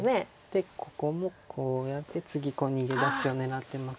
でここもこうやって次逃げ出しを狙ってますよ。